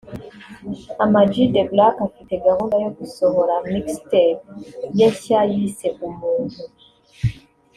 Ama G The Black afite gahunda yo gusohora Mixtape ye nshya yise ‘Umuntu’